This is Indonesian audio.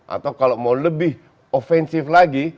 atau kalau mau lebih offensif lagi